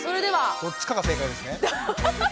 どっちかが正解ですね。